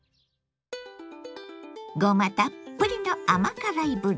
ごまたっぷりの甘辛いぶり。